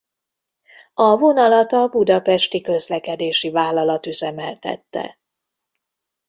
A vonalat a Budapesti Közlekedési Vállalat üzemeltette.